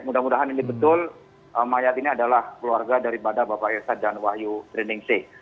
mudah mudahan ini betul mayat ini adalah keluarga daripada bapak irsa dan wahyu triningsih